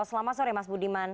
selamat sore mas budiman